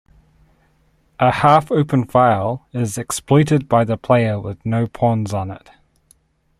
A half-open file is exploited by the player with no pawns on it.